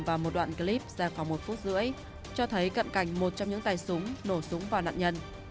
và một đoạn clip ra khoảng một phút rưỡi cho thấy cận cảnh một trong những tay súng nổ súng vào nạn nhân